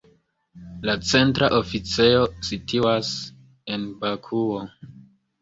La centra oficejo situas en Bakuo.